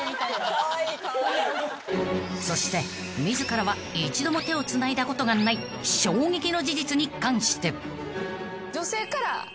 ［そして自らは一度も手をつないだことがない衝撃の事実に関して］